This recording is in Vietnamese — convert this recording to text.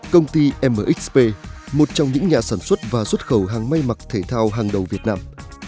công ty mxp một trong những nhà sản xuất và xuất khẩu hàng may mặc thể thao hàng đầu việt nam